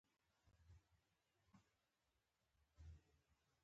په بس کې درود او صلوات وایه.